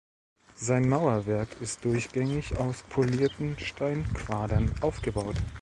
Sein Mauerwerk ist durchgängig aus polierten Steinquadern aufgebaut.